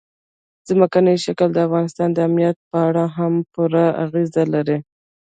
ځمکنی شکل د افغانستان د امنیت په اړه هم پوره اغېز لري.